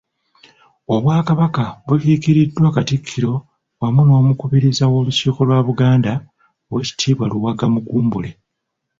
Obwakabaka bukiikiriddwa Katikkiro wamu n'omukubiriza w'Olukiiko lwa Buganda, Owekitiibwa Luwagga Mugumbule.